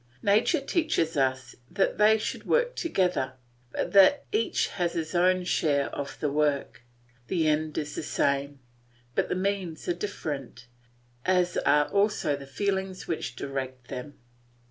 Nature teaches us that they should work together, but that each has its own share of the work; the end is the same, but the means are different, as are also the feelings which direct them.